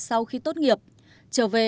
sau khi tốt nghiệp trở về